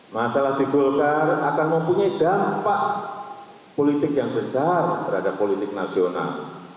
masalah di golkar akan mempunyai dampak politik yang besar terhadap politik nasional